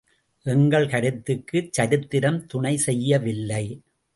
எங்கள் கருத்துக்கு சரித்திரம் துணை செய்யவில்லை.